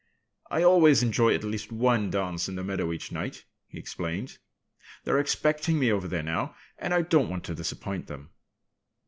"I always enjoy at least one dance in the meadow each night," he explained. "They're expecting me over there now. And I don't want to disappoint them."